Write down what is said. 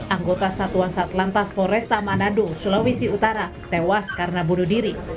anggota satuan satlantas foresta manado sulawesi utara tewas karena bunuh diri